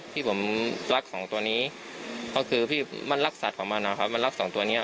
พี่ผมรักสองตัวนี้เพราะคือพี่มันรักสัตว์ของมันมันรักสองตัวนี้